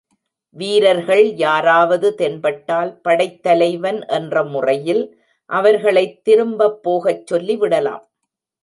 வீரர்கள் யாராவது தென்பட்டால் படைத்தலைவன் என்ற முறையில் அவர்களை திரும்பப்போகச்சொல்லி விடலாம்.